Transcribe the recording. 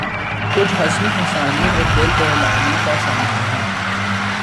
کچھ ہنسنے ہنسانے اور دل بہلانے کا سامان ہو۔